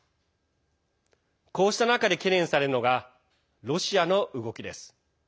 こうした中で懸念されるのがロシアの動きです。